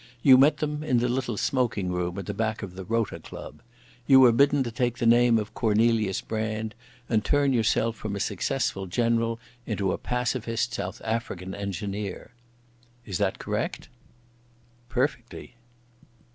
You met them in the little smoking room at the back of the Rota Club. You were bidden take the name of Cornelius Brand, and turn yourself from a successful general into a pacifist South African engineer. Is that correct?" "Perfectly."